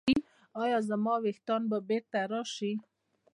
ایا زما ویښتان به بیرته راشي؟